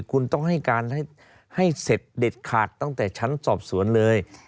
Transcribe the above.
คุณต้องให้การให้เสร็จเด็ดขาดตั้งแต่ชั้นสอบสวนเลย